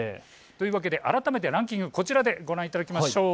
改めてランキング、こちらでご覧いただきましょう。